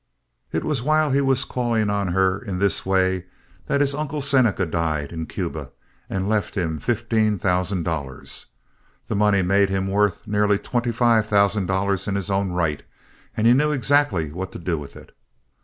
It was while he was calling on her in this way that his Uncle Seneca died in Cuba and left him fifteen thousand dollars. This money made him worth nearly twenty five thousand dollars in his own right, and he knew exactly what to do with it.